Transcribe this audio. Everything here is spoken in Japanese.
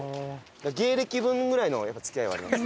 芸歴分ぐらいの付き合いはあります。